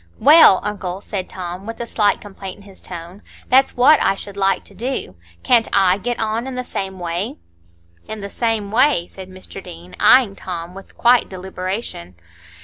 "Well, uncle," said Tom, with a slight complaint in his tone, "that's what I should like to do. Can't I get on in the same way?" "In the same way?" said Mr Deane, eyeing Tom with quiet deliberation.